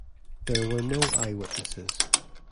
There were no eyewitnesses.